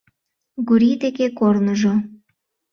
Гурий деке корныжо.